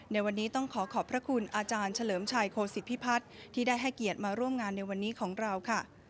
ในวันนี้ต้องขอขอบพระคุณอาจารย์เฉลิมชัยโคสิตพิพัฒน์ที่ได้ให้เกียรติมาร่วมงานในวันนี้ของเราค่ะ